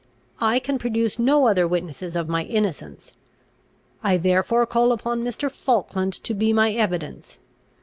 I can produce no other witnesses of my innocence; I therefore call upon Mr. Falkland to be my evidence.